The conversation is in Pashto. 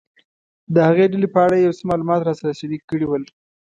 د هغې ډلې په اړه یې یو څه معلومات راسره شریک کړي ول.